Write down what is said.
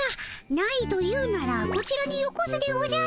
ないと言うならこちらによこすでおじゃる。